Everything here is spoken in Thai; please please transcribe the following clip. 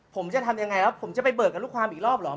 ผมจะทำอย่างไรผมจะไปเบิกกับลูกความอีกรอบหรือ